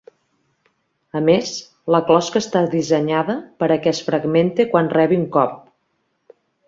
A més, la closca està dissenyada per a que es fragmente quan rebi un cop.